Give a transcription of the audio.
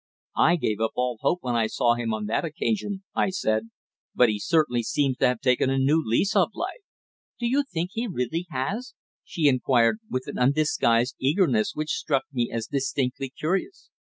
"I gave up all hope when I saw him on that occasion," I said; "but he certainly seems to have taken a new lease of life." "Do you think he really has?" she inquired with an undisguised eagerness which struck me as distinctly curious.